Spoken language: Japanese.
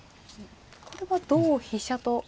これは同飛車と。